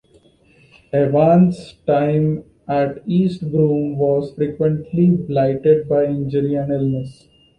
Evans' time at West Brom was frequently blighted by injury and illness.